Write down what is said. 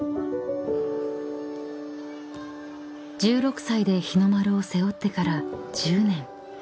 ［１６歳で日の丸を背負ってから１０年］